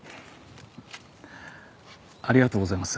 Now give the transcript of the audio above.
ありがとうございます。